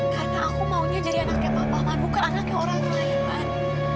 karena aku maunya jadi anaknya papa man bukan anaknya orang lain man